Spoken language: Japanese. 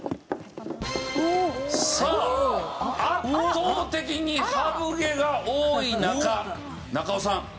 さあ圧倒的にハブ毛が多い中中尾さん